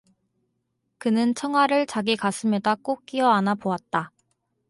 그는 청아를 자기 가슴에다 꼭 끼어안아 보았다.